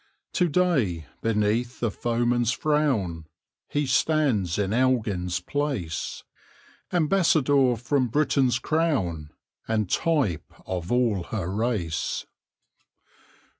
To day, beneath the foeman's frown, He stands in Elgin's place, Ambassador from Britain's crown, And type of all her race.